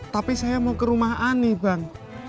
tapi saya mau ke rumah ani bang